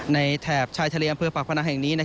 แถบชายทะเลอำเภอปากพนังแห่งนี้